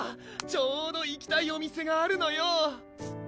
ちょうど行きたいお店があるのよ